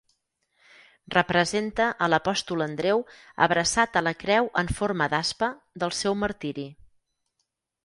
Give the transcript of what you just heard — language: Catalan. Representa a l'apòstol Andreu abraçat a la creu en forma d'aspa del seu martiri.